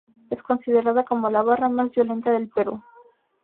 Es considerada como la barra más violenta del Perú.